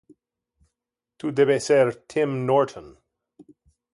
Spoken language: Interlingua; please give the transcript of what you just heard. Tu debe ser Tim Norton.